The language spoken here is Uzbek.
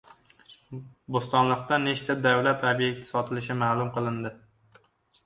Bo‘stonliqda nechta davlat ob’yekti sotilishi ma’lum qilindi